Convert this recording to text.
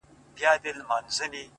• نښانې یې د خپل مرګ پکښي لیدلي ,